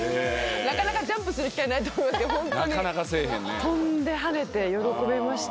なかなかジャンプする機会ないと思いますけどホントに跳んで跳ねて喜びました。